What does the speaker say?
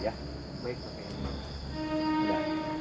iya pak timba